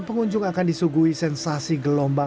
pengunjung akan disuguhi sensasi gelombang